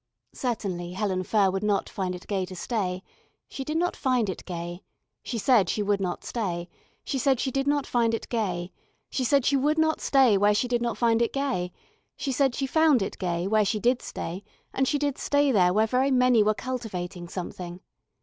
Certainly Helen Furr would not find it gay to stay, she did not find it gay, she said she would not stay, she said she did not find it gay, she said she would not stay where she did not find it gay, she said she found it gay where she did stay and she did stay there where very many were cultivating something.